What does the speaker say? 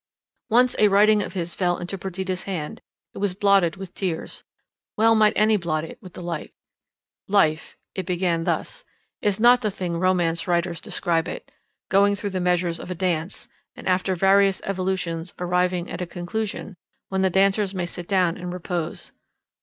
Once a writing of his fell into Perdita's hands; it was blotted with tears—well might any blot it with the like— "Life"—it began thus—"is not the thing romance writers describe it; going through the measures of a dance, and after various evolutions arriving at a conclusion, when the dancers may sit down and repose.